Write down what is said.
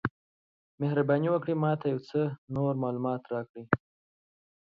مهرباني وکړئ ما ته یو څه نور معلومات راکړئ؟